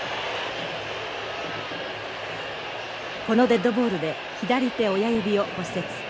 このデッドボールで左手親指を骨折。